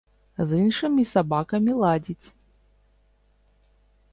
З іншымі сабакамі ладзіць.